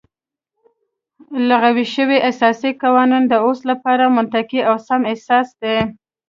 لغوه شوی اساسي قانون د اوس لپاره منطقي او سم اساس دی